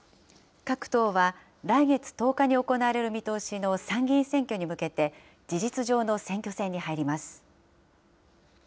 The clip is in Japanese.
各党は、来月１０日に行われる見通しの参議院選挙に向けて、事実上の選挙戦に入ります。